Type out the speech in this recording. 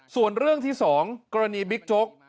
ส่วนเรื่องที่๒กรณีบิ๊กโจ๊ก